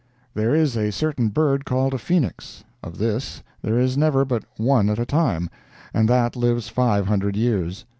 There is a certain bird called a phoenix. Of this there is never but one at a time, and that lives five hundred years.